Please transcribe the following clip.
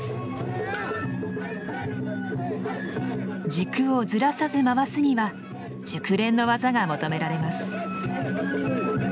軸をずらさず回すには熟練の技が求められます。